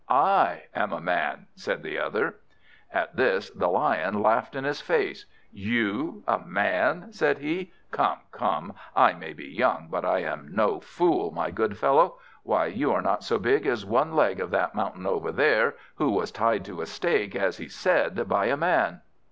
"I am a Man," said the other. At this the Lion laughed in his face. "You a Man!" said he. "Come, come; I may be young, but I am no fool, my good fellow. Why, you are not so big as one leg of that mountain over there, who was tied to a stake, as he said, by a Man."